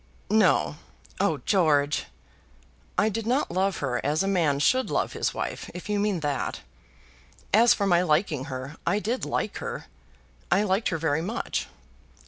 "No." "Oh, George!" "I did not love her as a man should love his wife, if you mean that. As for my liking her, I did like her. I liked her very much."